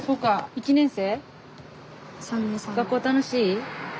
１年生？